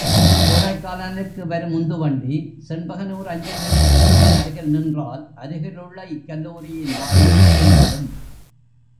கோடைக்கானலுக்கு வரும் உந்து வண்டி, செண்பகனூர் அஞ்சல் நிலையத்திற்கு அருகில் நின்றால், அருகிலுள்ள இக்கல்லூரியின் வாயில் தென்படும்.